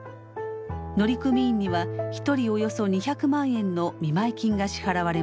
乗組員には１人およそ２００万円の見舞い金が支払われます。